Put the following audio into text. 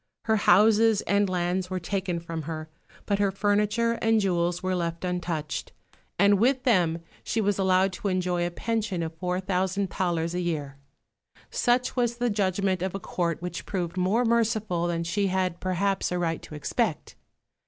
Her houses and lands were taken from her; but her furniture and jewels were left untouched, and with them she was allowed to enjoy a pension of four thousand thalers a year. Such was the judgment of a Court which proved more merciful than she had perhaps a right to expect.